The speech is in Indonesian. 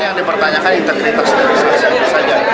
yang dipertanyakan integritas saja